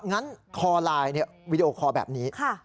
งั้นคอไลน์วีดีโอคอลแบบนี้